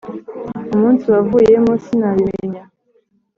umunsi wavuyemo sinabimenye